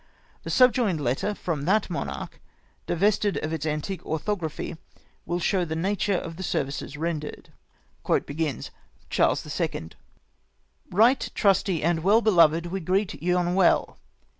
The subjoined letter from that monarch, divested of its antique orthography, ■will show the nature of the services rendered. CHARLES E. " Eight trusty and well beloved — we greet yon well.